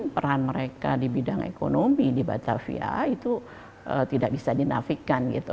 peran mereka di bidang ekonomi di batavia itu tidak bisa dinafikan gitu